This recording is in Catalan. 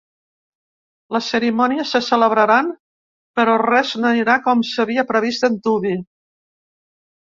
Les cerimònies se celebraran, però res no anirà com s’havia previst d’antuvi.